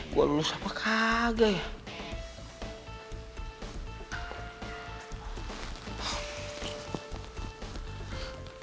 gue lulus apa kagak ya